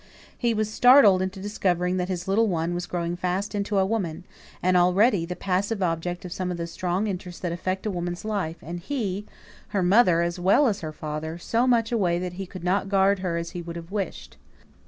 He was startled at discovering that his little one was growing fast into a woman, and already the passive object of some of the strong interests that affect a woman's life; and he her mother as well as her father so much away that he could not guard her as he would have wished.